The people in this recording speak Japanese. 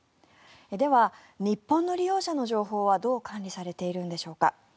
では、日本の利用者の情報はどう管理されているんでしょうか。